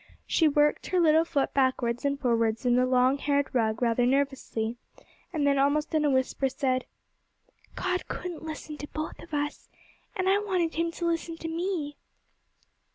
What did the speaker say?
She worked her little foot backwards and forwards in the long haired rug rather nervously, and then, almost in a whisper, said, 'God couldn't listen to both of us, and I wanted Him to listen to me.'